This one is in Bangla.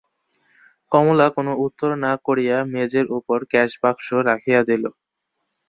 কমলা কোনো উত্তর না করিয়া মেজের উপর ক্যাশবাক্স রাখিয়া দিল।